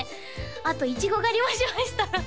あとイチゴ狩りもしました